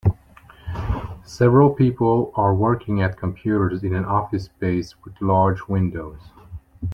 Several people are working at computers in an office space with large windows.